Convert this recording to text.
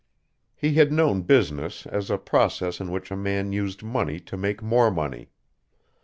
He had known business as a process in which a man used money to make more money.